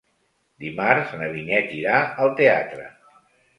Dimarts na Vinyet irà al teatre.